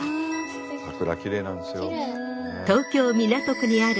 桜きれいなんですよ。